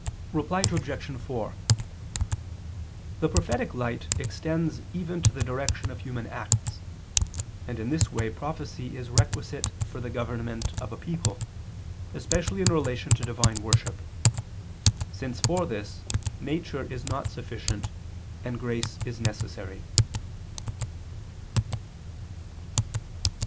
Reply Obj. 4: The prophetic light extends even to the direction of human acts; and in this way prophecy is requisite for the government of a people, especially in relation to Divine worship; since for this nature is not sufficient, and grace is necessary.